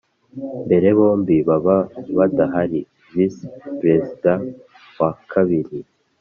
mbere Bombi baba badahari Visi Perecida wa Kabiri